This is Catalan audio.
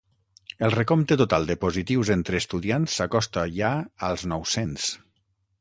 El recompte total de positius entre estudiants s’acosta ja als nou-cents.